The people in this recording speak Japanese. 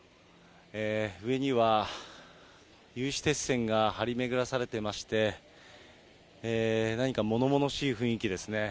上には、有刺鉄線が張り巡らされていまして、何かものものしい雰囲気ですね。